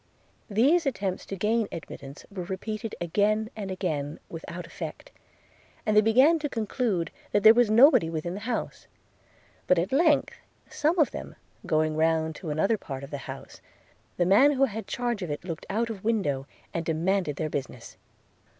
These attempts to gain admittance were repeated again and again without effect, and they began to conclude, that there was nobody within the house; but at length some of them going round to another part of the house, the man who had the charge of it looked out of window, and demanded their business.